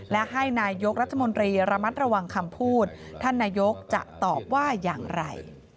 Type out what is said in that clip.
และให้นายกรัฐมนตรีระมัดระวังคำพูดท่านนายกจะตอบว่าอย่างไร